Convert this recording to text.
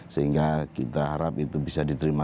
sehingga kita harap itu bisa diterima